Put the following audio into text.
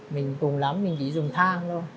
mình cùng lắm mình chỉ dùng thang thôi